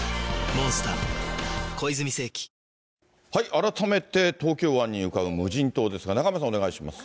改めて東京湾に浮かぶ無人島ですが、中山さん、お願いします。